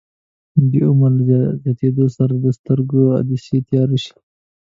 د عمر له زیاتیدو سره د سترګو عدسیې تیاره شي.